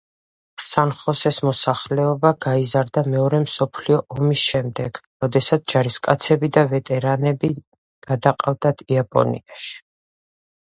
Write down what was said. სან-ხოსეს მოსახლეობა გაიზარდა მეორე მსოფლიო ომის შემდეგ, როდესაც ჯარისკაცები და ვეტერანები გადაყავდათ იაპონიაში.